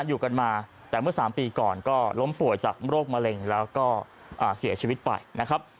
อยู่กันมาแต่เมื่อ๓ปีก่อนก็ล้มป่วยจากโรคมะเร็งแล้วก็เสียชีวิตไปนะครับ